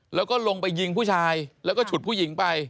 แล้วก็ลงไปยิงผู้ชายแล้วก็ฉุดผู้หญิงไป